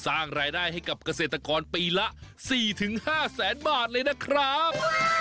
สร้างรายได้ให้กับเกษตรกรปีละ๔๕แสนบาทเลยนะครับ